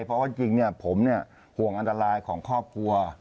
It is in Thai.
เพราะว่าจริงผมห่วงอันตรายของครอบครัว